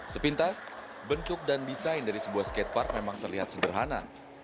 sepintas bentuk dan desain dari sebuah skatepark memang terlihat sederhana